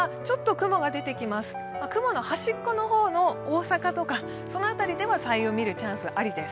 雲の端っこの方の大阪とかその辺りでは彩雲を見るチャンスありです。